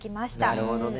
なるほどね。